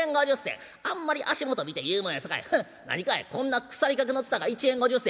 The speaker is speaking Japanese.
あんまり足元見て言うもんやさかい『ふん！何かいこんな腐りかけの蔦が１円５０銭。